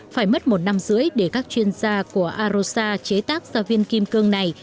phải mất một năm rưỡi để các chuyên gia của orosa chế tác ra viên kim cương này